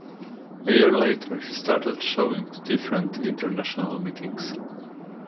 A year later he started showing to different international meetings.